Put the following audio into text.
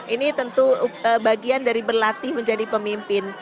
ini tentu bagian dari berlatih menjadi pemimpin